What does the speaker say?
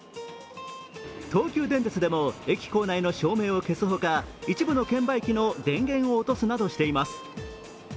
東急電鉄でも駅構内の照明を消すほか一部の券売機の電源を落とすなどしています。